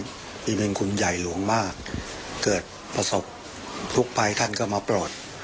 ที่เป็นคุณใหญ่หลวงมากเกิดประสบทุกภัยท่านก็มาปลอด